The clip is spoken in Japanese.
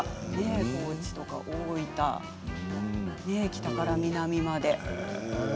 高知とか大分とか北から南まで。